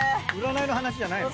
占いの話じゃないの？